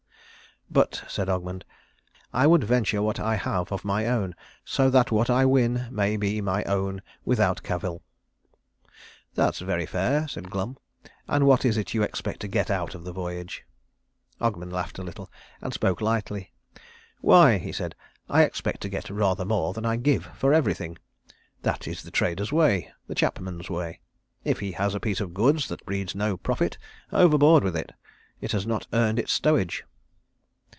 "But," said Ogmund, "I would venture what I have of my own, so that what I win may be my own without cavil." "That's very fair," said Glum; "and what is it you expect to get out of the voyage?" Ogmund laughed a little, and spoke lightly. "Why," he said, "I expect to get rather more than I give for everything. That is the trader's way, the chapman's way. If he has a piece of goods that breeds no profit, overboard with it. It has not earned its stowage."